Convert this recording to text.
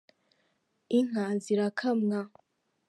inka zirakamwa